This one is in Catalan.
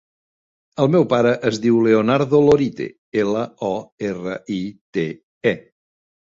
El meu pare es diu Leonardo Lorite: ela, o, erra, i, te, e.